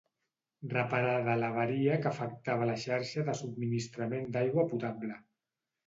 Reparada l'avaria que afectava la xarxa de subministrament d'aigua potable.